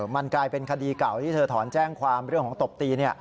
มันกลายเป็นคดีเก่าที่เธอถอนแจ้งความเรื่องของตบตี